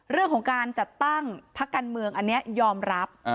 เรื่องของการจัดตั้งพักการเมืองอันนี้ยอมรับ